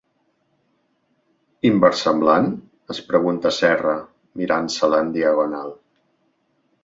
Inversemblant?, es pregunta Serra, mirant-se-la en diagonal.